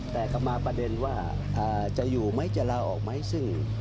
แต่กลับมาประเด็นว่าจะอยู่ไหมจะลาออกไหมซึ่ง